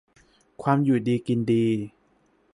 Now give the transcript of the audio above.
ความอยู่ดีกินดี